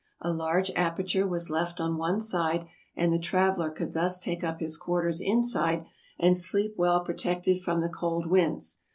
A large aperture was left on one side, and the traveler could thus take up his quarters inside and sleep well protected from the cold winds.